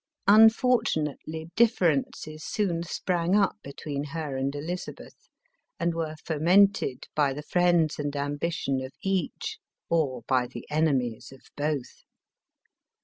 Unfortunately, differences soon sprang up between her and Elizabeth, and were fomented by the friends and ambition of each, or by the enemies of both.